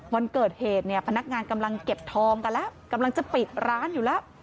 วันเกิดเหตุเนี่ยพนักงานกำลังเก็บทองกันแล้วกำลังจะปิดร้านอยู่แล้ว